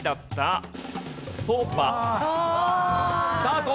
スタート！